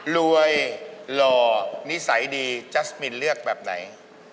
เรื่องรวยรอนิสัยดีจ๊าสมินเลือกแบบไหน